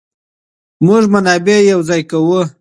موږ منابع يو ځای کوو.